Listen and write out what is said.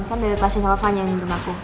kan dari tasnya sama fanny yang nyuntum aku